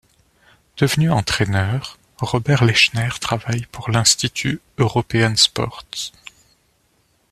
Devenu entraîneur, Robert Lechner travaille pour l'institut Europeansports.